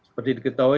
seperti diketahui kan